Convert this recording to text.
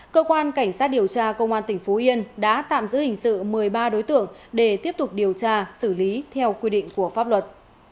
cơ quan cảnh sát điều tra công an tỉnh phú yên đã tạm giữ hình sự một mươi ba đối tượng để tiếp tục điều tra xử lý theo quy định của pháp luật